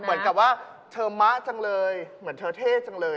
เหมือนกับว่าเธอมะจังเลยเหมือนเธอเท่จังเลย